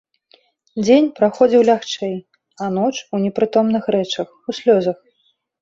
Дзень праходзіў лягчэй, а ноч у непрытомных рэчах, у слёзах.